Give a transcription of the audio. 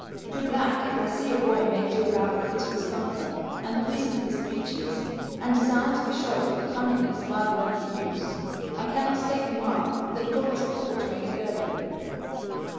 Good lack, if I see a boy make to do about the fit of his crumpler, and the creasing of his breeches, and desire to be shod for comeliness rather than for use, I cannot 'scape the mark that God took thought to make a girl of him.